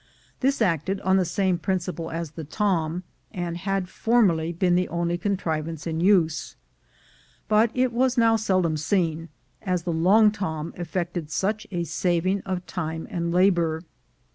This acted on the same principle as the "tom," and had formerly been the only contrivance in use; but it was now seldom seen, as the long tom effected such a sav ing of time and labor.